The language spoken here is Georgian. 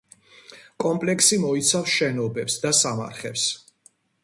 კომპლექსი მოიცავს შენობებს და სამარხებს.